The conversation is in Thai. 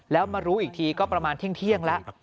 แล้วมารู้อีกทีก็ประมาณเที่ยงแล้ว